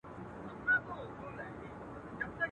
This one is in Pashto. مُلا وویل سلطانه ستا قربان سم.